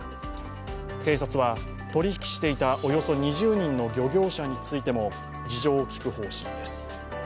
警察は、取引していたおよそ２０人の漁業者についても事情を聴く方針です。